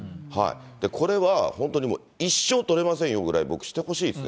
これは本当にもう、一生取れませんよぐらいに、僕、してほしいですね。